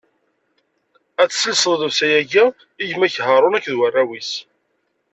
Ad tesselseḍ llebsa-agi i gma-k Haṛun akked warraw-is.